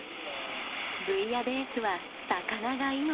ブイヤベースは魚が命。